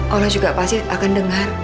allah juga pasti akan dengar